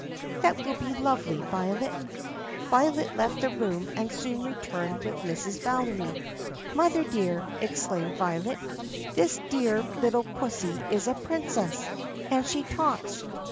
"That will be lovely, Violet." Violet left the room and soon returned with Mrs. Valery. "Mother dear!" exclaimed Violet. "This dear little pussy is a princess! And she talks!